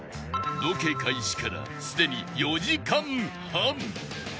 ロケ開始からすでに４時間半